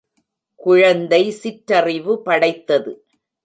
குழந்தை சிற்றறிவு படைத்தது.